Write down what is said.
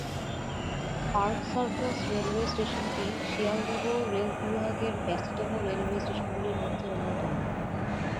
Park circus railway স্টেশনটি Sealdah rail বিভাগের ব্যস্ততম রেলওয়ে স্টেশনগুলির মধ্যে অন্যতম।